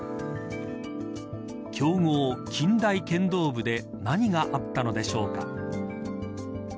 強豪、近大剣道部で何があったのでしょうか。